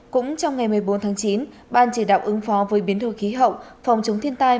cũng trong ngày một mươi bốn tháng chín ban chỉ đạo ứng phó với biến đổi khí hậu phòng chống thiên tai